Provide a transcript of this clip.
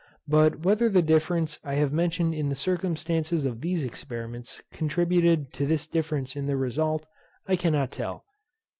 But whether the difference I have mentioned in the circumstances of these experiments contributed to this difference in the result, I cannot tell.